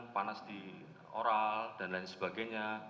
panas di oral dan lain sebagainya